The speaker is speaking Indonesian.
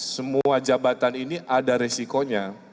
semua jabatan ini ada resikonya